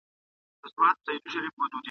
ما مي پر شونډو دي په ورځ کي سل توبې ژلي !.